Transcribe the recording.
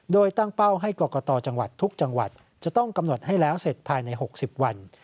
โดยตั้งเป้าให้กรกตจังหวัดทุกจังหวัดจะต้องกำหนดให้แล้วเสร็จภายใน๖๐วัน